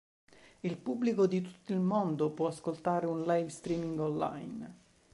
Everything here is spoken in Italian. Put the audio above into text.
Il pubblico di tutto il mondo può ascoltare un live streaming online.